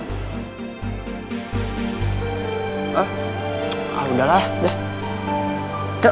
hah ah udahlah deh